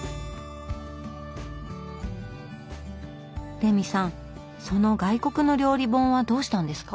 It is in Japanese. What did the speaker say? レミさんその外国の料理本はどうしたんですか？